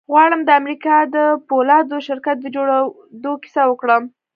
غواړم د امريکا د پولادو شرکت د جوړېدو کيسه وکړم.